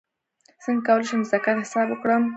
څنګه کولی شم د زکات حساب وکړم